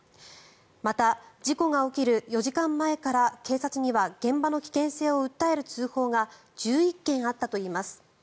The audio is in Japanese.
また、事故が起きる４時間前から警察には現場の危険性を訴える通報が１１件あったといいます。